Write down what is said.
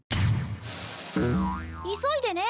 急いでね。